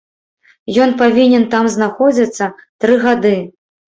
Ён павінен там знаходзіцца тры гады.